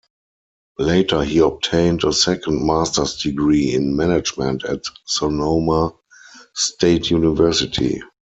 Later he obtained a second master's degree in Management at Sonoma State University.